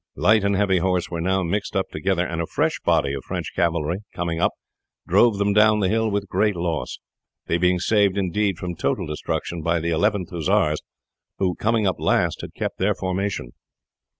Light and heavy horse were now mixed up together, and a fresh body of French cavalry coming up, drove them down the hill with great loss they being saved, indeed, from total destruction by the Eleventh Hussars, who, coming up last, had kept their formation.